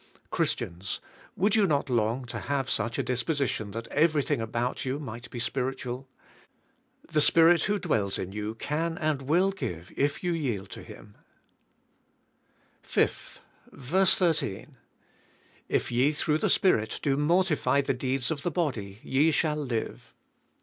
Christians! would you not long to have such a disposition that everything about you might be spiritual. The Spirit who dwells in you can and will g ive if you yield to Him, 5. Vs. 13. " If ye throug h the Spirit do mortify the deeds of the body ye shall live."